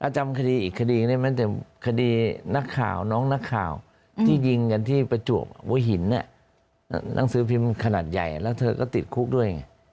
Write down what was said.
อาจารย์คดีอีกคดีนี้มันแต่คดีน้องนักข่าวที่ยิงกันที่ไปจวกว้วยหินนางสือพิมพ์ขนาดใหญ่แล้วเธอก็ติดคุกด้วย